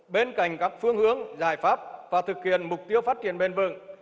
bên cạnh các phương hướng giải pháp và thực hiện mục tiêu phát triển bền vững